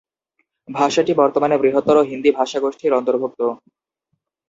ভাষাটি বর্তমানে বৃহত্তর হিন্দি ভাষাগোষ্ঠীর অন্তর্ভুক্ত।